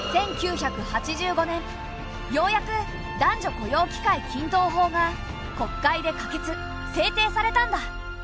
１９８５年ようやく男女雇用機会均等法が国会で可決制定されたんだ。